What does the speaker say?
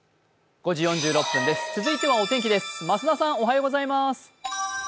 続いてはお天気です増田さん。